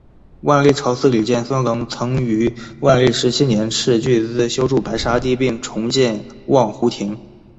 万历朝司礼监孙隆曾于万历十七年斥巨资修筑白沙堤并重建望湖亭。